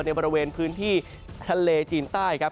ในบริเวณพื้นที่ทะเลจีนใต้ครับ